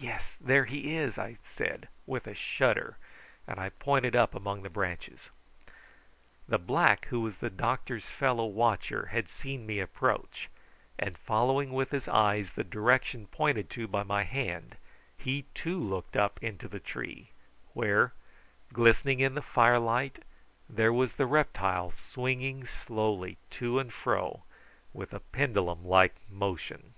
"Yes; there he is!" I said with a shudder, and I pointed up among the branches. The black who was the doctor's fellow watcher had seen me approach, and following with his eyes the direction pointed to by my hand, he too looked up into the tree, where, glistening in the fire light, there was the reptile swinging slowly to and fro with a pendulum like motion.